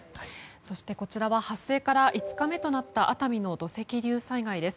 そして、こちらは発生から５日目となった熱海の土石流災害です。